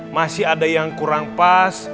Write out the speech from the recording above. masih ada yang kurang pas